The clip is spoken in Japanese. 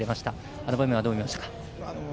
あの場面はどう見ましたか。